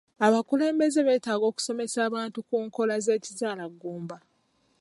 Abakulembeze beetaaga okusomesa abantu ku nkola z'ekizaala ggumba.